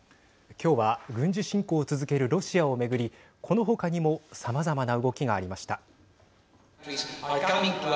今日は軍事侵攻を続けるロシアを巡りこの他にもさまざまな動きがありました。